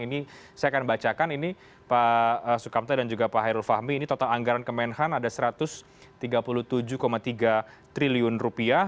ini saya akan bacakan ini pak sukamta dan juga pak hairul fahmi ini total anggaran kemenhan ada satu ratus tiga puluh tujuh tiga triliun rupiah